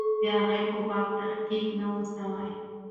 د هغې په باب تحقیق نه وو سوی.